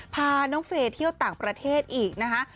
พาน้องเฟย์เที่ยวต่างประเทศอีกนะคะ